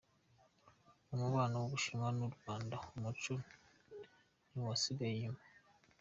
Mu mubano w’u Bushinwa n’u Rwanda umuco ntiwasigaye inyuma